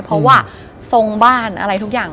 เพราะว่าทรงบ้านอะไรทุกอย่าง